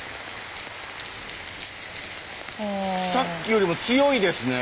さっきよりも強いですね。